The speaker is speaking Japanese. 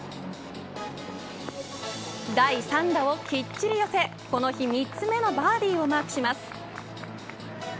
第３打をきっちり寄せこの日３つ目のバーディーをマークします。